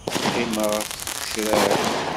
Qqimeɣ ɣef tgecrar.